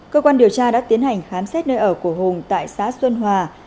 cơ quan điều tra đã tiến hành khám xét nơi ở của hùng tại xã xuân hòa